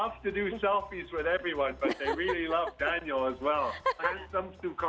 mereka suka nge selfie dengan semua tapi mereka juga suka daniel juga